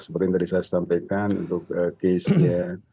seperti yang tadi saya sampaikan untuk case ya